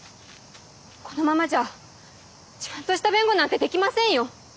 このままじゃちゃんとした弁護なんてできませんよ。